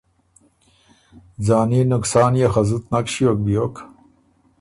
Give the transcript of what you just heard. ځاني نقصان خه زُت نک ݭیوک بیوک